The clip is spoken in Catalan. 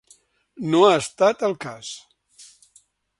No ha estat el cas.